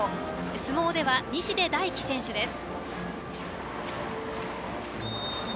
相撲では西出大毅選手です。